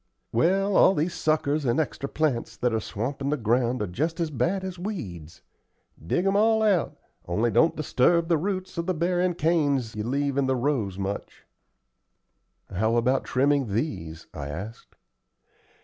"Well, all these suckers and extra plants that are swampin' the ground are just as bad as weeds. Dig 'em all out, only don't disturb the roots of the bearin' canes you leave in the rows much." "How about trimming these?" I asked.